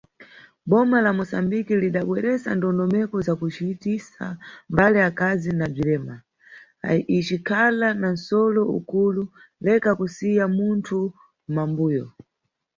Bma la Mosambiki, lidabweresa ndondomeko za kucitisa mbali akazi na bzirema, icikhala na nʼsolo ukulu "Leka kusiya munthu mʼmambuyo".